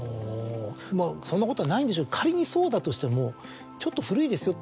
そんなことはないんでしょうけど仮にそうだとしても「ちょっと古いですよ」